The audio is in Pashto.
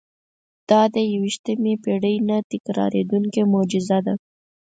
دا د یوویشتمې پېړۍ نه تکرارېدونکې معجزه ده.